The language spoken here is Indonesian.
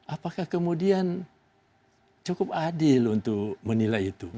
apakah kemudian cukup adil untuk menilai itu